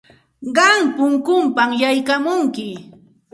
Qam punkunpam yaykamunki.